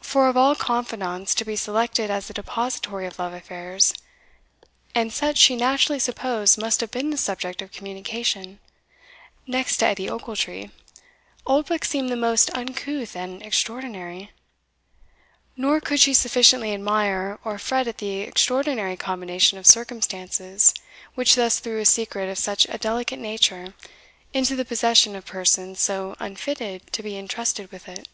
For of all confidants to be selected as the depositary of love affairs, and such she naturally supposed must have been the subject of communication, next to Edie Ochiltree, Oldbuck seemed the most uncouth and extraordinary; nor could she sufficiently admire or fret at the extraordinary combination of circumstances which thus threw a secret of such a delicate nature into the possession of persons so unfitted to be entrusted with it.